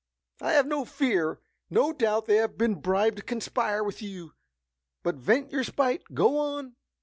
"I have no fear! No doubt they have been bribed to conspire with you! But, vent your spite! Go on!"